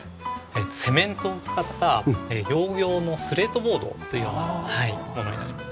セメントを使った業務用のスレートボードというようなものになります。